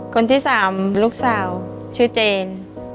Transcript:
คนที่๓ลูกสาวชื่อเจน